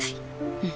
うん。